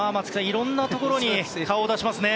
いろんなところに顔を出しますね。